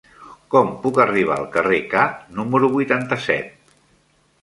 Com puc arribar al carrer K número vuitanta-set?